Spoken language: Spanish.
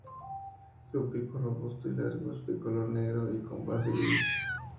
Su pico robusto y largo es de color negro con una base gris.